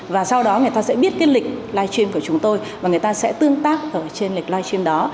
và sau đó người ta sẽ biết cái lịch live stream của chúng tôi và người ta sẽ tương tác ở trên lịch live stream đó